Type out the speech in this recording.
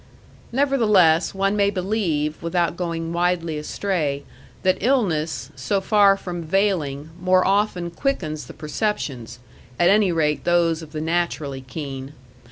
Nevertheless, one may believe, without going widely astray, that illness, so far from veiling, more often quickens the perceptions at any rate those of the naturally keen.